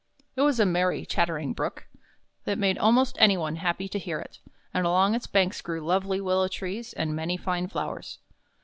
It. was a merry, chattering Brook, that made almost any one happy to hear it, and along its banks grew lovely willow trees and many fine flowers.